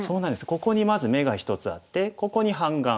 ここにまず眼が１つあってここに半眼